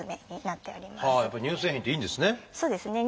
やっぱ乳製品っていいんですね。